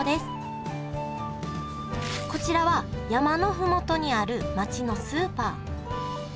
こちらは山の麓にある街のスーパー。